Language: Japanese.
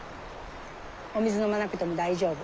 お水飲まなくても大丈夫。